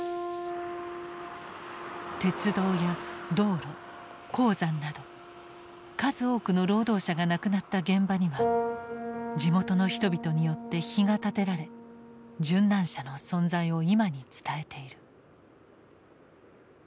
鉄道や道路鉱山など数多くの労働者が亡くなった現場には地元の人々によって碑が建てられ殉難者の存在を今に伝えている。